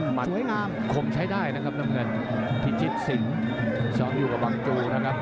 สวยงามคงใช้ได้นะครับน้ำเงินพิชิตสินซ้อมอยู่กับบังจูนะครับ